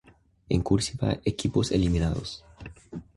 En "cursiva" equipos eliminados.